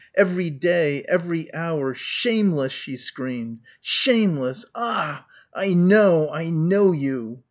Every day ... every hour.... Shameless!" she screamed. "Shameless. Ah! I know. I know you."